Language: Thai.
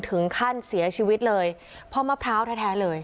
ถึงขั้นเสียชีวิตเลยเพราะมะพร้าวแท้เลย